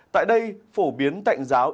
tại đây phổ biến tạnh giáo